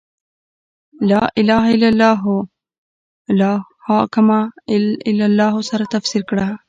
«لا اله الا الله» له «لا حاکم الا الله» سره تفسیر کړه.